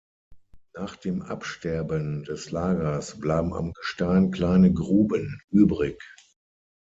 Nach dem Absterben des Lagers bleiben am Gestein kleine Gruben übrig.